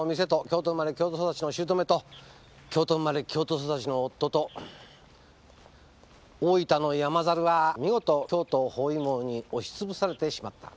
京都育ちの姑と京都生まれ京都育ちの夫と大分の山猿は見事京都包囲網に押しつぶされてしまった。